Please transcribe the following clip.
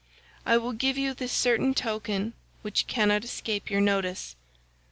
I will give you this certain token which cannot escape your notice.